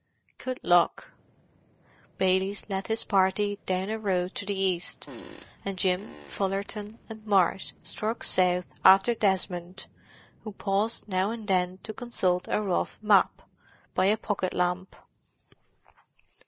"Good luck!" Baylis led his party down a road to the east, and Jim, Fullerton and Marsh struck south after Desmond, who paused now and then to consult a rough map, by a pocket lamp.